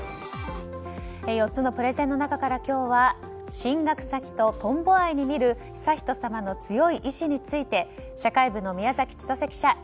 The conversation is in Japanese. ４つのプレゼンの中から今日は進学先とトンボ愛に見る悠仁さまの強い意思について社会部の宮崎千歳記者